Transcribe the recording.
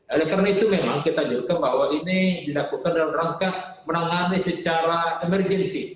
oleh karena itu memang kita anjurkan bahwa ini didakukan dalam rangka menangani secara emergency